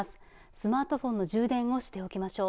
スマートフォンの充電をしておきましょう。